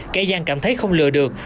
cái gian cảm thấy không lừa được